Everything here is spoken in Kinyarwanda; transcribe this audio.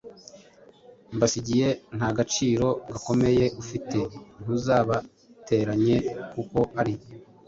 mbasigiye nta gaciro gakomeye ufite. Ntuzabateranye kuko ari